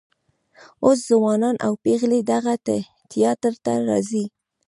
اوس ځوانان او پیغلې دغه تیاتر ته راځي.